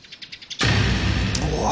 うわ！